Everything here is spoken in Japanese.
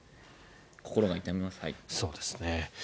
心が痛みます。